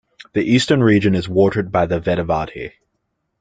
The eastern region is watered by the Vedavati.